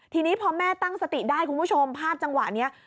ทีนี้พอแม่ตั้งสติได้คุณผู้ชมภาพจังหวะนี้